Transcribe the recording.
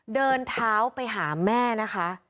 เดินเท้าไปหาแม่นะคะ